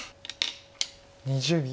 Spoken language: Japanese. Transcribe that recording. ２０秒。